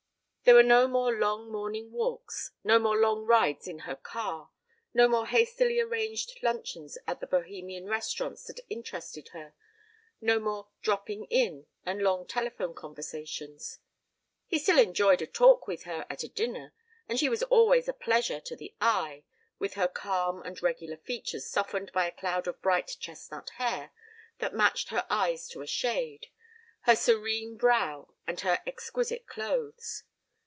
There were no more long morning walks, no more long rides in her car, no more hastily arranged luncheons at the Bohemian restaurants that interested her, no more "dropping in" and long telephone conversations. He still enjoyed a talk with her at a dinner, and she was always a pleasure to the eye with her calm and regular features softened by a cloud of bright chestnut hair that matched her eyes to a shade, her serene brow and her exquisite clothes.